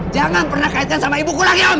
jangan pernah kaitkan sama ibuku lagi om